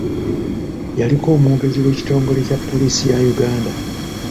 Yaliko omwogezi w'ekitongole kya poliisi ya Uganda